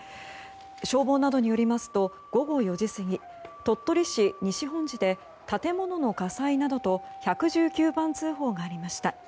消防などによりますと午後４時過ぎ鳥取市西品治で建物の火災などと１１９番通報がありました。